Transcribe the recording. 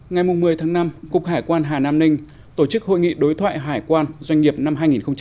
ngày một mươi tháng năm cục hải quan hà nam ninh tổ chức hội nghị đối thoại hải quan doanh nghiệp năm hai nghìn hai mươi